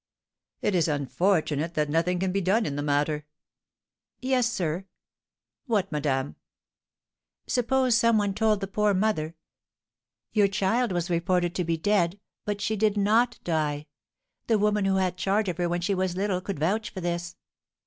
"It is unfortunate that nothing can be done in the matter." "Yes, sir " "What, madame?" "Suppose some one told the poor mother, 'Your child was reported to be dead, but she did not die: the woman who had charge of her when she was little could vouch for this.'"